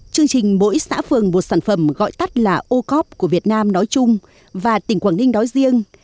chương trình mỗi xã phường một sản phẩm gọi tắt là ô cóp của việt nam nói chung và tỉnh quảng ninh nói riêng